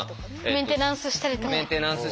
メンテナンスしたりとか。